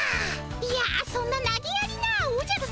いやそんななげやりなおじゃるさま。